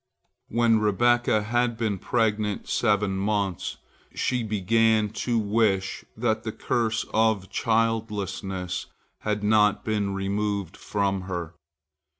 When Rebekah had been pregnant seven months, she began to wish that the curse of childlessness had not been removed from her.